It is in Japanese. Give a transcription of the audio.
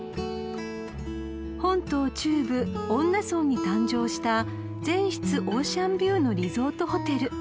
［本島中部恩納村に誕生した全室オーシャンビューのリゾートホテル］